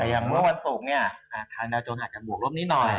แต่อย่างเมื่อวันศพเนี่ยคันดาวจนหาจะบวกร่วมนิดหน่อย